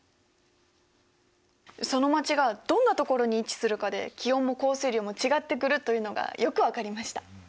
その街がどんなところに位置するかで気温も降水量も違ってくるというのがよく分かりました。